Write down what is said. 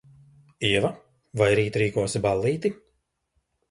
Ieva, vai rīt rīkosi ballīti?